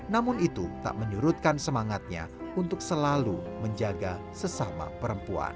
namun itu tak menyurutkan semangatnya untuk selalu menjaga sesama perempuan